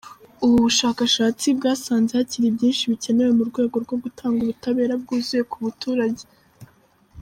Ubu bushakshatsi bwasanze hakiri byinshi bikenewe mu rwego rwo gutanga ubutabera bwuzuye ku buturage.